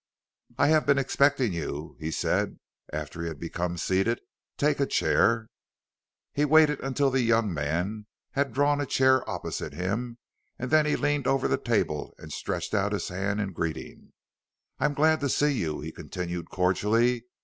"I have been expecting you," he said after he had become seated. "Take a chair." He waited until the young man had drawn a chair opposite him and then he leaned over the table and stretched out his hand in greeting. "I'm glad to see you," he continued cordially.